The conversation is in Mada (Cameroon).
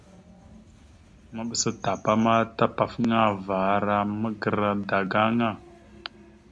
Maɓəsa tapa ma tapafaŋava ara magəra daga aŋa.